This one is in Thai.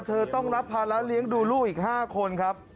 เธอต้องรับภาระเลี้ยงดูลูกอีก๕คนครับ